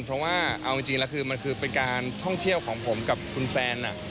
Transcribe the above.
เพราะว่าเอาจริงแล้วคือมันคือเป็นการท่องเที่ยวของผมกับคุณแซน